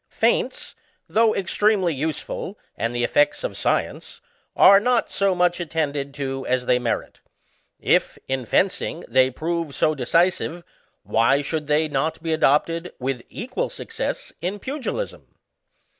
Feints, though extremely useful and the effects of science, are not so much attended to as they merit. If, in fencing, they prove so decisive, why should they not be adopted, with equal success, in pugilism.